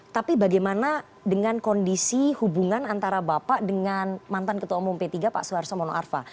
tapi bagaimana dengan kondisi hubungan antara bapak dengan mantan ketua umum p tiga pak suharto mono arfa